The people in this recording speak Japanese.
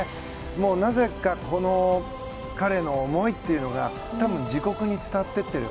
なぜか、この彼の思いというのが多分自国に伝わっていっている。